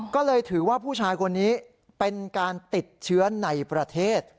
ก็เลยถือว่าผู้ชายคนนี้เป็นการติดเชื้อในประเทศ